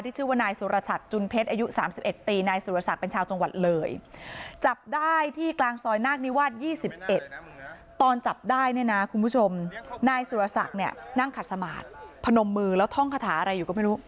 ที่ชื่อว่านายสุรสัตว์จุลเพชรอายุสามสิบเอ็ดปีนายสุรสัตว์เป็นชาวจังหวัดเลย